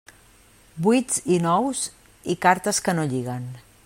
Vuits i nous, i cartes que no lliguen.